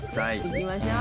いきましょう。